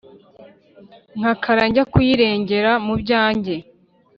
Ndakara njya kuyirengera mubyanjye